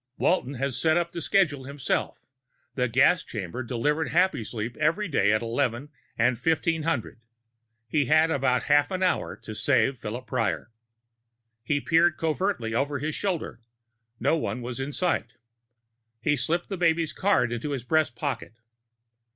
Walton had set up the schedule himself: the gas chamber delivered Happysleep each day at 1100 and 1500. He had about half an hour to save Philip Prior. He peered covertly over his shoulder; no one was in sight. He slipped the baby's card into his breast pocket.